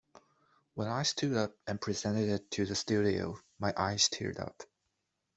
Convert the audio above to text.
When I stood up and presented it to the studio, my eyes teared up.